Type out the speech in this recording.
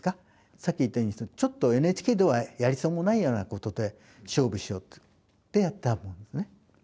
さっき言ったようにちょっとＮＨＫではやりそうもないようなことで勝負しようっていうんでやったんですね。